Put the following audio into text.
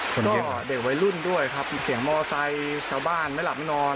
แล้วก็เด็กวัยรุ่นด้วยครับมีเสียงมอไซค์ชาวบ้านไม่หลับไม่นอน